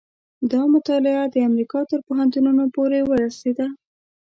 دا مطالعه د امریکا تر پوهنتونونو پورې ورسېده.